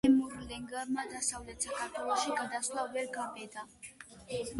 თემურლენგმა დასავლეთ საქართველოში გადასვლა ვერ გაბედა.